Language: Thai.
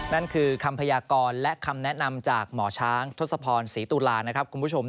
นั่นคือคำพยากรและคำแนะนำจากหมอช้างทศพรศรีตุลานะครับคุณผู้ชม